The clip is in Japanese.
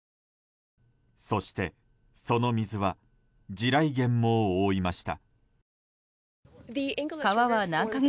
そして、その水は地雷原も覆いました。